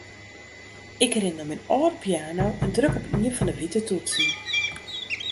Ik rin nei myn âlde piano en druk op ien fan 'e wite toetsen.